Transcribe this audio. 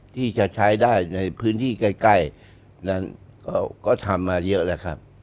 ที่จะใช้ได้ในพื้นที่ใกล้นั้นก็ทำมาเยอะแล้วครับ